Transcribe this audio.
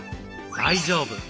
大丈夫！